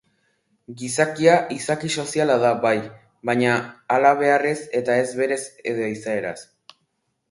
Gizakia izaki soziala da bai, baina halabeharrez eta ez berez edo izaeraz.